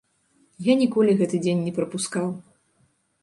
Я ніколі гэты дзень не прапускаў.